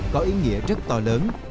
có ý nghĩa rất to lớn